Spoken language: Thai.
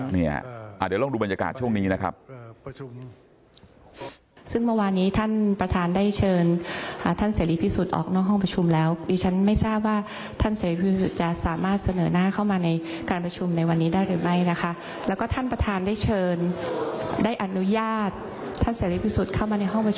เดี๋ยวลองดูบรรยากาศช่วงนี้นะครับ